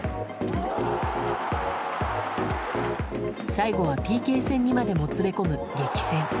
最後はＰＫ戦にまでもつれ込む激戦。